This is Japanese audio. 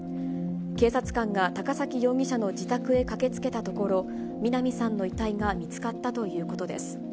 警察官が高崎容疑者の自宅へ駆けつけたところ、みな美さんの遺体が見つかったということです。